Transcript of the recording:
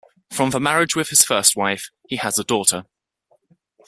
From the marriage with his first wife, he has a daughter.